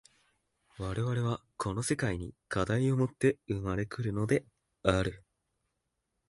我々はこの世界に課題をもって生まれ来るのである。